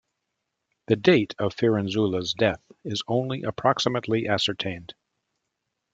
The date of Firenzuola's death is only approximately ascertained.